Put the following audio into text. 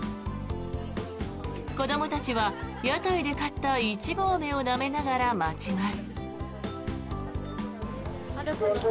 子どもたちは屋台で買ったイチゴアメをなめながら待ちます。